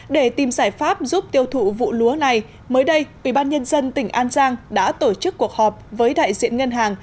để tìm giải pháp giúp tiêu thụ vụ lúa này mới đây ubnd tỉnh an giang đã tổ chức cuộc họp với đại diện ngân hàng